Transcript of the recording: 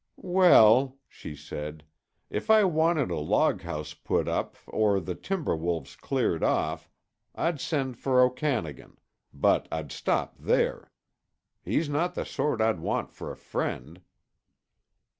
"Well," she said, "if I wanted a loghouse put up or the timber wolves cleared off, I'd send for Okanagan; but I'd stop there. He's not the sort I'd want for a friend."